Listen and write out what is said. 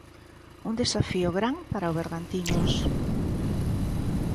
Un desafío gran para o Bergantiños.